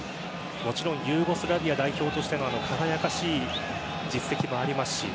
もちろんユーゴスラビア代表として輝かしい実績もありますし。